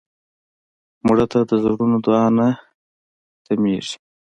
مړه ته د زړونو دعا نه تمېږي